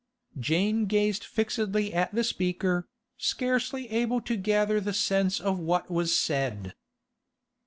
Jane gazed fixedly at the speaker, scarcely able to gather the sense of what was said.